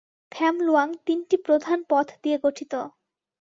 থ্যাম লুয়াং তিনটি প্রধান পথ নিয়ে গঠিত।